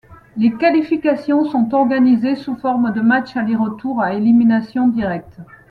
Les qualifications sont organisées sous forme de matchs aller-retour à élimination directe.